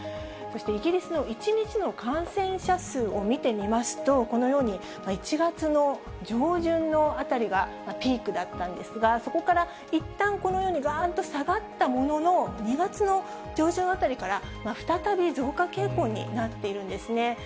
そしてイギリスの１日の感染者数を見てみますと、このように、１月の上旬のあたりがピークだったんですが、そこからいったんこのようにがーんと下がったものの、２月の上旬あたりから再び増加傾向になっているんですね。